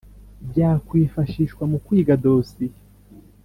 Byakwifashishwa mu kwiga dosiye